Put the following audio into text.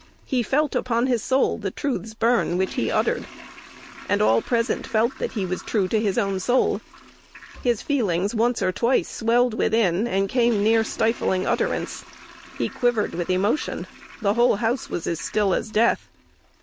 He felt upon his soul the truths burn which he uttered, and all present felt that he was true to his own soul. His feelings once or twice swelled within, and came near stifling utterance.... He quivered with emotion. The whole house was as still as death.